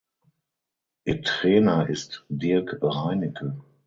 Ihr Trainer ist Dirk Reinicke.